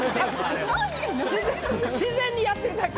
自然にやってるだけ！